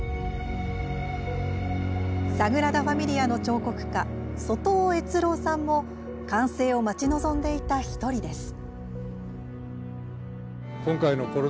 サグラダ・ファミリアの彫刻家外尾悦郎さんも完成を待ち望んでいた１人です。